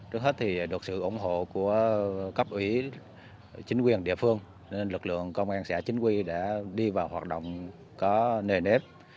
trước hết thì được sự ủng hộ của cấp ủy chính quyền địa phương nên lực lượng công an xã chính quy đã đi vào hoạt động có nề nếp